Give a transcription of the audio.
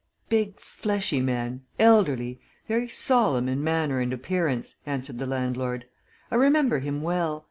"Big, fleshy man elderly very solemn in manner and appearance," answered the landlord. "I remember him well.